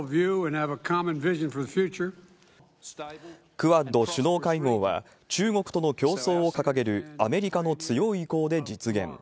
クアッド首脳会合は中国との競争を掲げるアメリカの強い意向で実現。